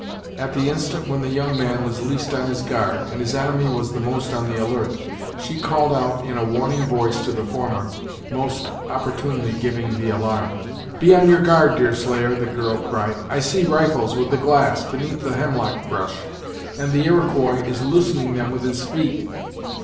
At the instant when the young man was least on his guard, and his enemy was the most on the alert, she called out in a warning voice to the former, most opportunely giving the alarm. "Be on your guard, Deerslayer," the girl cried "I see rifles with the glass, beneath the hemlock brush, and the Iroquois is loosening them with his feet!"